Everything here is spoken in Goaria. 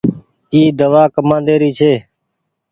اي دوآ ڪمآندي ري ڇي۔